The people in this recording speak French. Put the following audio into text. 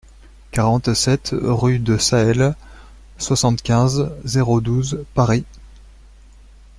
quarante-sept rue du Sahel, soixante-quinze, zéro douze, Paris